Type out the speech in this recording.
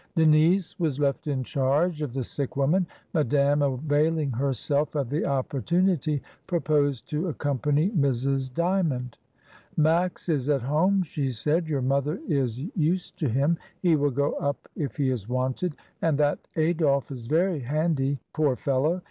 Denise was left in charge of the sick woman; Madame, availing herself of the opportunity, proposed to ac company Mrs. Dymond. Max is at home," she said; "your mother is used to him; he will go up if he is wanted, and that Adolphe is very handy, poor fellow."